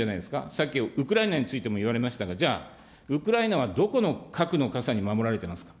さっきウクライナについても言われましたが、じゃあ、ウクライナはどこの核の傘に守られてますか。